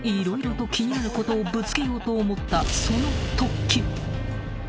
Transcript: ［色々と気になることをぶつけようと思った］